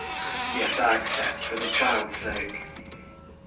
Yes, I accept for the child's sake."